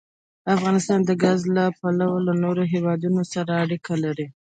افغانستان د ګاز له پلوه له نورو هېوادونو سره اړیکې لري.